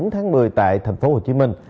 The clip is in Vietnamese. một mươi chín tháng một mươi tại tp hcm